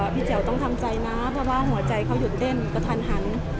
พี่เจ๋วต้องทำใจนะเพราะว่าหัวใจของเขาหยุดเต้นทัน